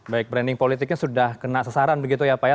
baik branding politiknya sudah kena sasaran begitu ya pak ya